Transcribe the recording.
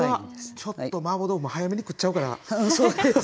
ちょっと麻婆豆腐も早めに食っちゃうから。